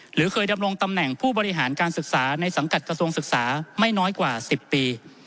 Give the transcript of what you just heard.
หรือเคยดำรงตำแหน่งผู้บริหารการศึกษาในสังกัดกระทรวงศึกษาไม่น้อยกว่า๑๐ปี